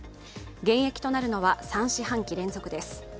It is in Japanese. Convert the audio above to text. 減益となるのは３四半期連続です。